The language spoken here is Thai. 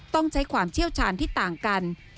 ต้องใช้ความเชี่ยวชาญที่ต่างกัน